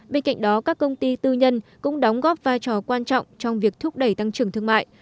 bên cạnh đó các công ty tư nhân cũng đóng góp vai trò quan trọng trong việc thúc đẩy tăng trưởng thương mại